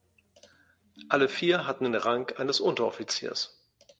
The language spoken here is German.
Alle vier hatten den Rang eines Unteroffiziers.